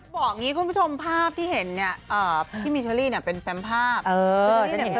บอกงี้คุณผู้ชมภาพที่เห็นเนี่ยพี่มิชาลีเป็นแฟมภาพ